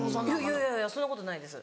いやいやいやそんなことないです